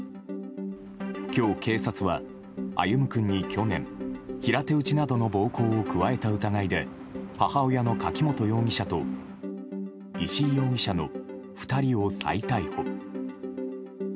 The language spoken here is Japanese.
今日、警察は歩夢君に去年、平手打ちなどの暴行を加えた疑いで母親の柿本容疑者と石井容疑者の２人を再逮捕。